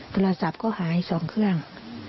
โทรศัพท์ก็หาย๒เครื่อง